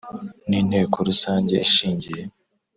n Inteko Rusange ishingiye